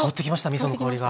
みその香りが。